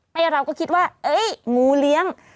แล้วเราก็คิดว่าเอ๊ะงูเลี้ยง